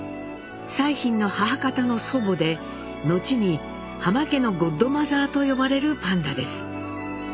彩浜の母方の祖母で後に「浜家のゴッドマザー」と呼ばれるパンダです。